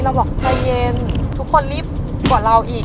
เราบอกใจเย็นทุกคนรีบกว่าเราอีก